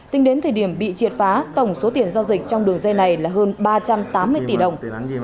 tính đến thời điểm bị triệt phá tổng số tiền giao dịch trong đường dây này là hơn ba trăm tám mươi tỷ đồng